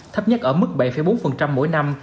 thấp nhất ở mức bảy bốn mỗi năm